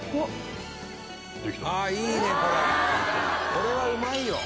「これはうまいよ」